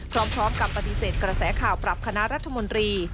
พร้อมกับปฏิเสธกระแสข่าวปรับคณะรัฐมนตรี